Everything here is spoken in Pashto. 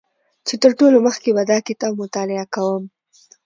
چې تر ټولو مخکې به دا کتاب مطالعه کوم